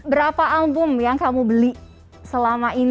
berapa album yang kamu beli selama ini